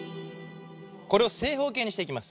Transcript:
これを正方形にしていきます。